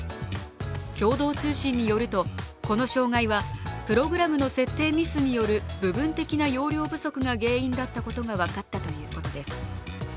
共同通信によるとこの障害はプログラムの設定ミスによる部分的な容量不足が原因だったことが分かったということです。